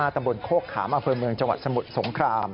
ตำบลโคกขามอำเภอเมืองจังหวัดสมุทรสงคราม